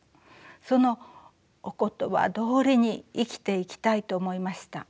そのお言葉どおりに生きていきたいと思いました。